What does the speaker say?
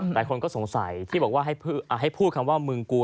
หลายคนก็สงสัยที่บอกว่าให้พูดคำว่ามึงกลัว